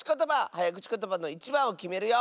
はやくちことばのいちばんをきめるよ！